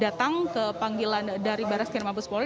datang ke panggilan dari baris krimabes polri